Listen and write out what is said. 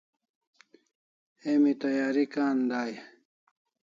Emi tayari kan dai e?